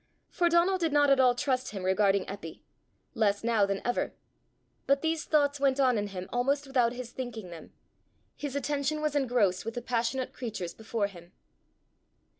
For Donal did not at all trust him regarding Eppy less now than ever. But these thoughts went on in him almost without his thinking them; his attention was engrossed with the passionate creatures before him.